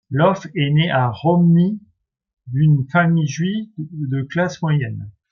Ioffe est né à Romny, d'une famille juive de classe moyenne.